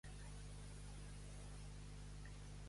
Esquerra Republicana de Catalunya ho ha negat, això?